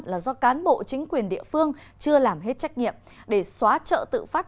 là do cán bộ chính quyền địa phương chưa làm hết trách nhiệm để xóa chợ tự phát